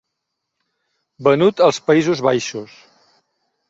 Venut als Països Baixos.